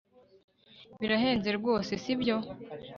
Birahenze rwose sibyo